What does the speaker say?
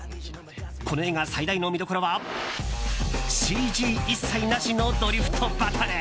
この映画最大の見どころはＣＧ一切なしのドリフトバトル。